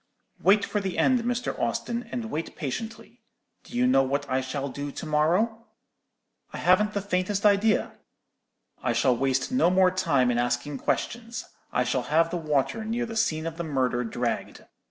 Wait for the end, Mr. Austin, and wait patiently. Do you know what I shall do to morrow?' "'I haven't the faintest idea.' "'I shall waste no more time in asking questions. I shall have the water near the scene of the murder dragged.